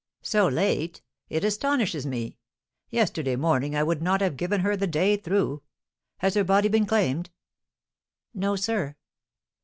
"So late? It astonishes me. Yesterday morning I would not have given her the day through. Has her body been claimed?" "No, sir."